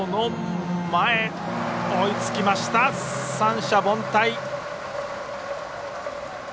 追いつきました、三者凡退。